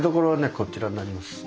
こちらになります。